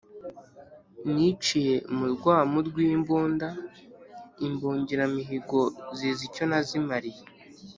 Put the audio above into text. Niciye mu rwamu rw'imbunda, imbungiramihigo zizi icyo nazimaliye